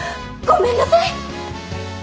ごめんなさい。